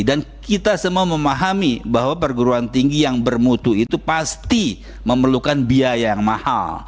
dan kita semua memahami bahwa perguruan tinggi yang bermutu itu pasti memerlukan biaya yang mahal